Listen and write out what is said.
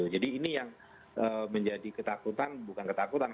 jadi ini yang menjadi ketakutan bukan ketakutan